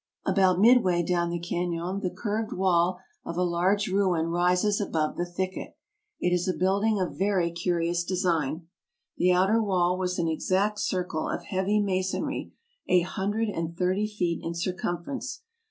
About midway down the canon the curved wall of a large 58 TRAVELERS AND EXPLORERS ruin rises above the thicket. It is a building of very curi ous design. The outer wall was an exact circle of heavy masonry a hundred and thirty feet in circumference.